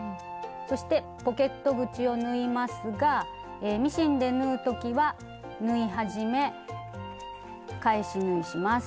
そしてポケット口を縫いますがミシンで縫う時は縫い始め返し縫いします。